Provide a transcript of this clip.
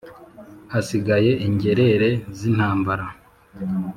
hasigaye ingerere z’intambara